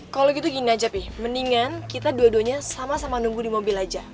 kalau gitu gini aja pi mendingan kita dua duanya sama sama nunggu di mobil aja